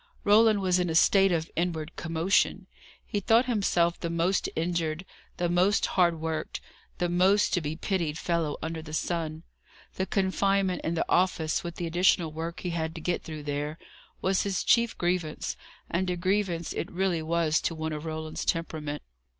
Roland was in a state of inward commotion. He thought himself the most injured, the most hard worked, the most to be pitied fellow under the sun. The confinement in the office, with the additional work he had to get through there, was his chief grievance; and a grievance it really was to one of Roland's temperament.